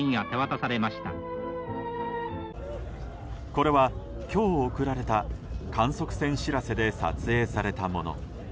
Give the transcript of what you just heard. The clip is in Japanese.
これは今日送られた観測船「しらせ」で撮影されたもの。